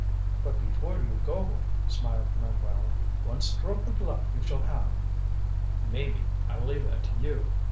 "But before you go," smiled Manuel, "one stroke of luck you shall have." "Maybe. I leave that to you.